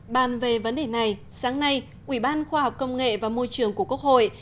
bàn về vấn đề này sáng nay ủy ban khoa học công nghệ và môi trường của quốc hội